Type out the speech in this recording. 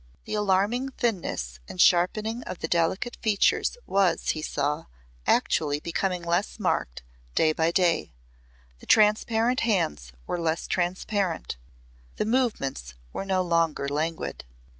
The alarming thinness and sharpening of the delicate features was he saw, actually becoming less marked day by day; the transparent hands were less transparent; the movements were no longer languid.